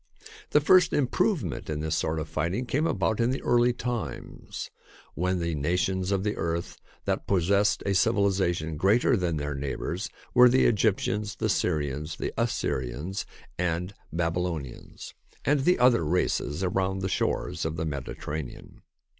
The first improvement in this sort of fighting came about in the early times, when the nations of the earth that possessed a civilisation greater than their neighbours were the Egyptians, the Syrians, the Assyrians, and Babylonians, and the other races around the shores of the Mediterranean.